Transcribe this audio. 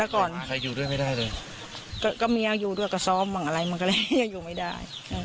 อะนะคะมาวกันมาเขาก็จะโยยวายด่า